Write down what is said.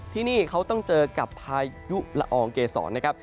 ที่นี่เขาต้องเจอกับพายุละอองเกษรนะครับ